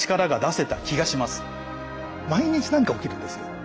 毎日何か起きるんですよ